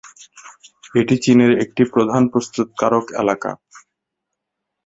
এটি চীনের একটি প্রধান প্রস্তুতকারক এলাকা।